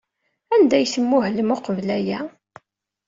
Anda ay tmuhlem uqbel aya?